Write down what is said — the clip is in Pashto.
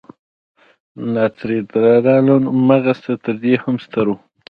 د نایندرتالانو مغز تر دې هم ستر و.